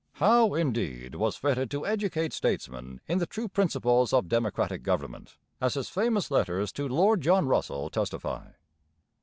Howe, indeed, was fitted to educate statesmen in the true principles of democratic government, as his famous letters to Lord John Russell testify.